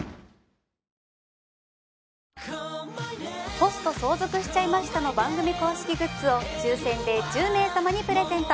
「ホスト相続しちゃいました」の番組公式グッズを抽選で１０名様にプレゼント。